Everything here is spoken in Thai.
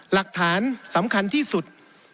หลักฐานสำคัญที่สุด